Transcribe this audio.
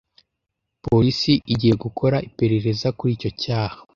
Polisi igiye gukora iperereza kuri icyo cyaha.